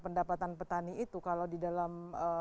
pendapatan petani itu kalau di dalam